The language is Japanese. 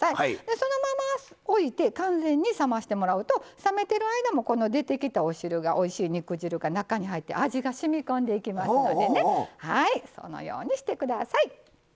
そのまま置いて完全に冷ましてもらうと冷めてる間も出てきた肉汁が中に入って、味がしみこんでいきますのでそのようにしてください。